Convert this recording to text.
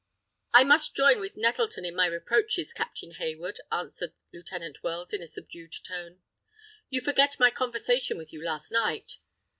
"I must join with Nettleton in my reproaches, Captain Hayward," answered Lieutenant Wells, in a subdued tone. "You forget my conversation with you last night!"